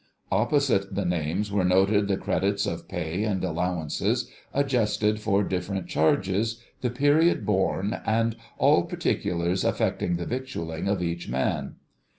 Opposite the names were noted the credits of pay and allowances, adjusted for different charges, the period borne, and all particulars affecting the victualling of each man.